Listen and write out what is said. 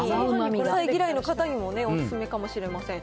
野菜嫌いの方にもお勧めかもしれません。